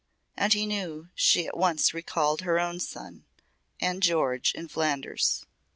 And he knew she at once recalled her own son and George in Flanders.